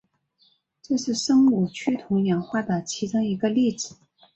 这是生物趋同演化的其中一个例子。